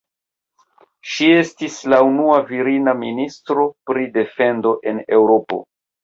Ŝi estis la unua virina ministro pri defendo en Eŭropo.